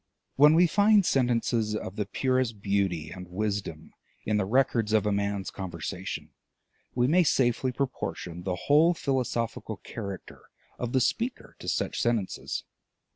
When we find sentences of the purest beauty and wisdom in the records of a man's conversation, we may safely proportion the whole philosophical character of the speaker to such sentences.